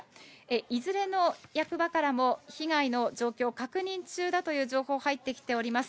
いずれの役場からも被害の状況、確認中だという情報入ってきております。